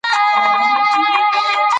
واوره اوس په دانه دانه ډول په اورېدو شوه.